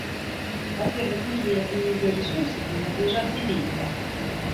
Во-первых, Ливия и ее ресурсы принадлежат ливийцам.